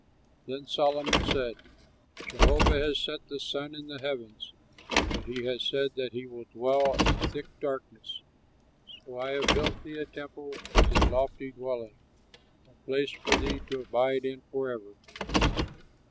Then Solomon said: "Jehovah has set the sun in the heavens, But has said that he will dwell in thick darkness. So I have built thee a temple as a lofty dwelling, A place for thee to abide in forever."